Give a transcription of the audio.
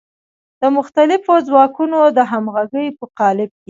د مختلفو ځواکونو د همغږۍ په قالب کې.